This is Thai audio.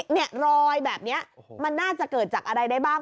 เนี่ยรอยแบบนี้มันน่าจะเกิดจากอะไรได้บ้าง